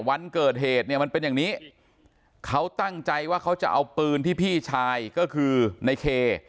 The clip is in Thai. วันเกิดเหตุเนี่ยมันเป็นอย่างนี้เขาตั้งใจว่าเขาจะเอาปืนที่พี่ชายก็คือในเค